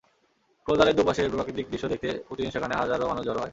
ক্লোজারের দুপাশে প্রাকৃতিক দৃশ্য দেখতে প্রতিদিন সেখানে হাজারো মানুষ জড়ো হয়।